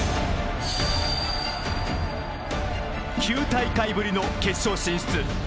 ９大会ぶりの決勝進出